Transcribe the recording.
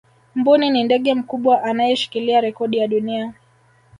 mbuni ni ndege mkubwa anayeshikilia rekodi ya dunia